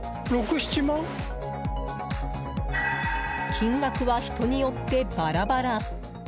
金額は人によってバラバラ。